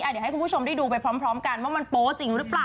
เดี๋ยวให้คุณผู้ชมได้ดูไปพร้อมกันว่ามันโป๊จริงหรือเปล่า